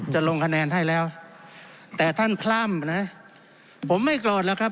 ลงคะแนนให้แล้วแต่ท่านพร่ำนะผมไม่โกรธหรอกครับ